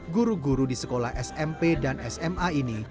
guru guru di sekolah smp dan sma ini